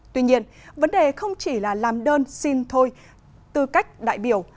tuy nhiên vấn đề không chỉ là làm đơn xin thôi tư cách đại biểu